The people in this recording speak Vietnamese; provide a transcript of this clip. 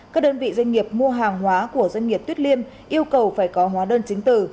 hai nghìn một mươi tám các đơn vị doanh nghiệp mua hàng hóa của doanh nghiệp tuyết liêm yêu cầu phải có hóa đơn chứng từ